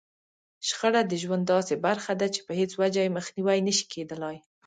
شخړه د ژوند داسې برخه ده چې په هېڅ وجه يې مخنيوی نشي کېدلای.